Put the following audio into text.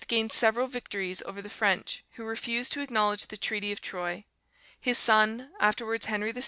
gains several victories over the French, who refuse to acknowledge the treaty of Troyes. His son, afterwards Henry VI.